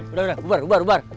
udah udah bubar bubar